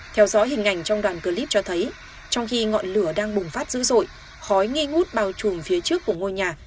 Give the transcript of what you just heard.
theo dõi hình ảnh trong đoàn clip cho thấy trong khi ngọn lửa đang bùng phát dữ dội khói nghi ngút bao trùm phía trước của ngôi nhà